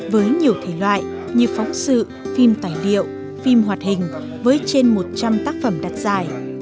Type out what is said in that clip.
với nhiều thể loại như phóng sự phim tài liệu phim hoạt hình với trên một trăm linh tác phẩm đặt giải